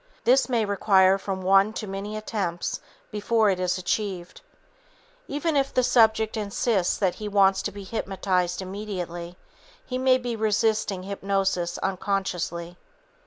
This may require from one to many attempts before it is achieved. Even if the subject insists that he wants to be hypnotized immediately, he may be resisting hypnosis unconsciously.